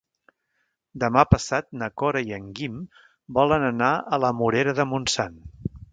Demà passat na Cora i en Guim volen anar a la Morera de Montsant.